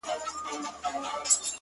اورونه دې دستي; ستا په لمن کي جانانه;